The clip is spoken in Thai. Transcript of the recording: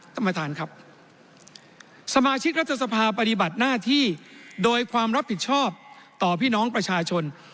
สมาชิกรัฐศพาปฏิบัติหน้าที่โดยความรับผิดชอบต่อพี่น้องประชาชน